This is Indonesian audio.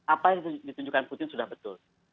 apa yang ditunjukkan putin sudah betul